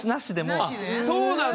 あっそうなんだ。